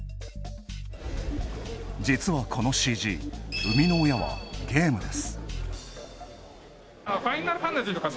実は、このＣＧ、生みの親はゲームです。